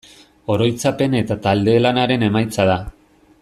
Oroitzapen eta talde-lanaren emaitza da.